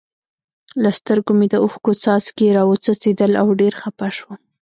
له سترګو مې د اوښکو څاڅکي را و څڅېدل او ډېر خپه شوم.